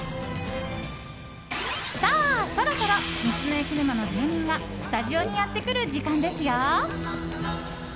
さあ、そろそろ道の駅沼の住人がスタジオにやってくる時間ですよ。